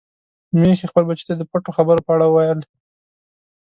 ميښې خپل بچي ته د پټو خبرو په اړه ویل.